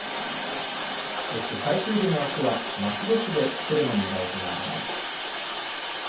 そして最終日のあすは、松戸市でセレモニーが行われます。